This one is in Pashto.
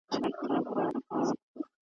چي کمزوری دي ایمان دی که غښتلی دي شیطان ,